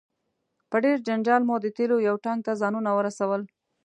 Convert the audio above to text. په ډیر جنجال مو د تیلو یو ټانک ته ځانونه ورسول.